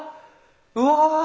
うわ！